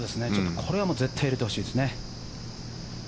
これは絶対入れてほしいですね。